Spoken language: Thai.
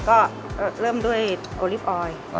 ก็เริ่มด้วยกลิฟต์ออยล์